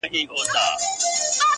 o ښايستو کي خيالوري پيدا کيږي.